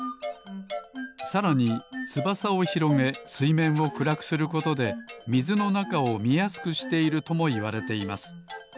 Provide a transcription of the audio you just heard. さらにつばさをひろげすいめんをくらくすることでみずのなかをみやすくしているともいわれています。